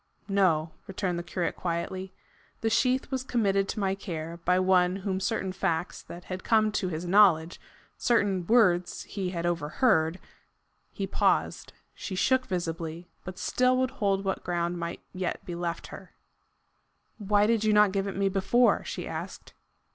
"No," returned the curate quietly. "The sheath was committed to my care by one whom certain facts that had come to his knowledge certain words he had overheard " He paused. She shook visibly, but still would hold what ground might yet be left her. "Why did you not give it me before?" she asked.